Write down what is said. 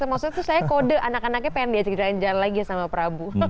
maksudnya tuh saya kode anak anaknya pengen diajakin jalan jalan lagi sama prabu